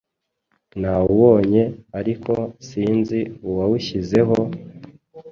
nawubonye ariko sinzi uwawushyizeho,